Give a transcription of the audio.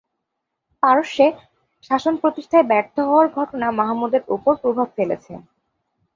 পারস্যে শাসন প্রতিষ্ঠায় ব্যর্থ হওয়ার ঘটনা মাহমুদের উপর প্রভাব ফেলেছে।